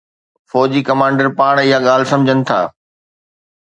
فوجي ڪمانڊر پاڻ اها ڳالهه سمجهن ٿا.